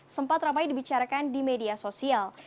sempat ramai dibicarakan di media sosial